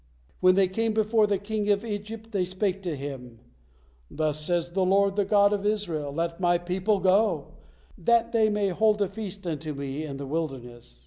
When they came before the king of Egypt, they spake to him, 'Thus said the Lord, the God of Israel, Let My people go, that they may hold a feast unto Me in the wilderness.'